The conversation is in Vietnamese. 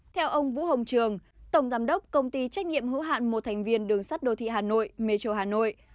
theo ông vũ hồng trường tổng giám đốc công ty trách nhiệm hữu hạn một thành viên đường sắt đô thị hà nội metro hà nội